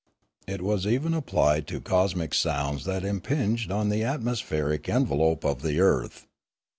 It was even applied to cosmic sounds that impinged on the atmospheric en velope of the earth.